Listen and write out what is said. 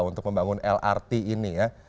untuk membangun lrt ini ya